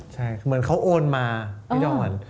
ใช่เหมือนเขาโอนมาพี่ดอน